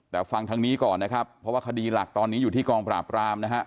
แต่ฟังทางนี้ก่อนนะครับเพราะว่าคดีหลักตอนนี้อยู่ที่กองปราบรามนะฮะ